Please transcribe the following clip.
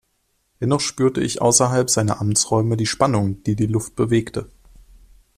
Dennoch spürte ich außerhalb seiner Amtsräume die Spannung, die die Luft bewegte.